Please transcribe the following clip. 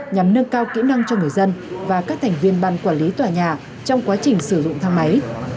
nhằm nâng cao kỹ năng cho người dân và các thành viên ban quản lý tòa nhà trong quá trình sử dụng thang máy